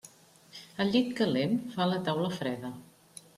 El llit calent fa la taula freda.